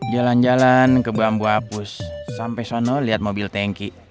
jalan jalan ke bambu apus sampe sono liat mobil tengki